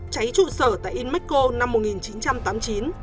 cháy trụ sở tại inmachco năm một nghìn chín trăm tám mươi chín